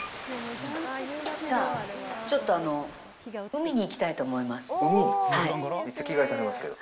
ちょっとあの、海に行きたいと思います。